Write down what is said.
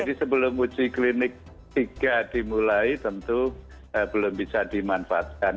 jadi sebelum uji klinik tiga dimulai tentu belum bisa dimanfaatkan